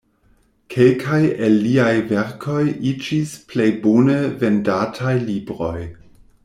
Kelkaj el liaj verkoj iĝis plej bone vendataj libroj.